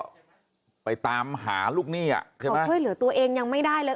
แล้วก็ไปตามหาลูกเนี่ยใช่ไหมเค้าเผื่อเหลือตัวเองยังไม่ได้เลย